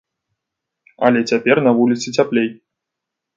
Але цяпер на вуліцы цяплей.